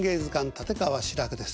立川志らくです。